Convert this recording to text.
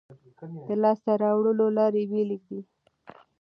د لاسته راوړلو لارې بېلې دي.